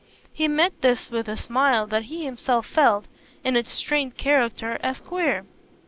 He met this with a smile that he himself felt, in its strained character, as queer.